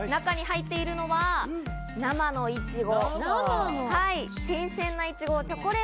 中に入っているのは生のいちご。